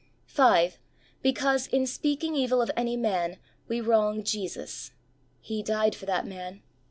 5. Because in speaking evil of any man we wrong Jesus. He died for that man.